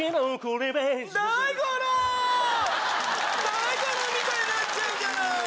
大五郎みたいになっちゃうじゃない！